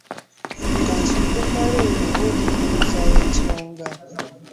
Ka nsooke mmale okwetegereza ensonga.